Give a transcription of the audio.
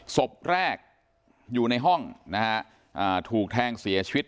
ศพแรกอยู่ในห้องนะฮะถูกแทงเสียชีวิต